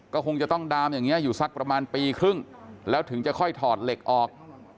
ก็คงจะต้องดามอย่างนี้อยู่สักประมาณปีครึ่งแล้วถึงจะค่อยถอดเหล็กออก